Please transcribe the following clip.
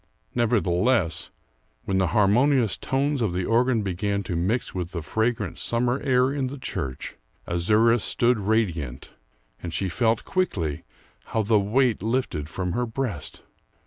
Nevertheless, when the harmonious tones of the organ began to mix with the fragrant summer air in the church, Azouras stood radiant, and she felt quickly how the weight lifted from her breast.